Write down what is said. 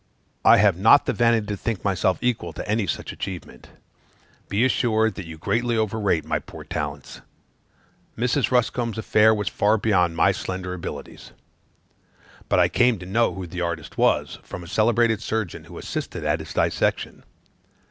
I have not the vanity to think myself equal to any such achievement; be assured that you greatly overrate my poor talents; Mrs. Ruscombe's affair was far beyond my slender abilities. But I came to know who the artist was, from a celebrated surgeon, who assisted at his dissection.